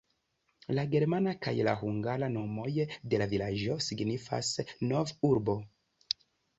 La germana kaj la hungara nomoj de la vilaĝo signifas "nov-urbo".